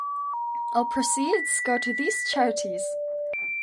All proceeds go to these charities.